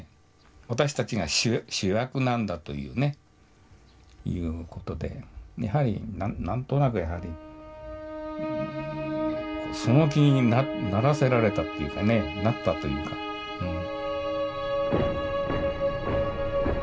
私たちが主役なんだというねいうことでやはり何となくその気にならせられたっていうかねなったというかうん。